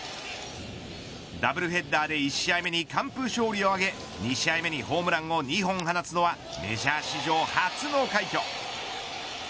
ダブルヘッダーで１試合目に完封勝利を挙げ２試合目にホームランを２本放つのはメジャー史上初の快挙。